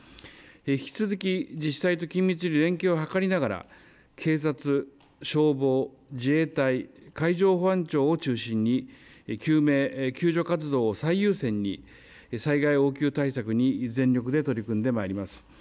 引き続き自治体と緊密に連携を図りながら警察、消防、自衛隊、海上保安庁を中心に救命救助活動を最優先に災害応急対策に全力で取り組んでまいります。